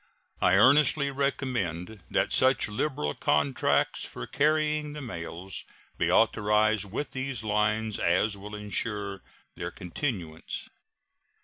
I earnestly recommend that such liberal contracts for carrying the mails be authorized with these lines as will insure their continuance.